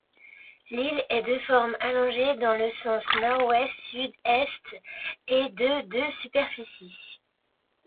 L'île est de forme allongée dans le sens nord-ouest-sud-est et de de superficie.